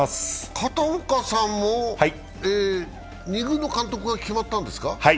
片岡さんも２軍の監督が決まったんですか？